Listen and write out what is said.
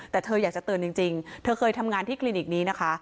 แต่เธออยากจะเตือนจริงเธอเคยทำงานที่คลินิกนี้นะคะ